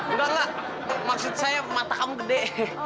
nggak maksud saya mata kamu gede